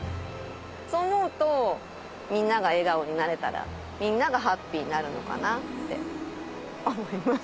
そう思うとみんなが笑顔になれたらみんながハッピーになるのかなって思います。